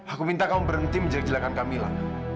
aku minta kamu berhenti menjelaskan kamila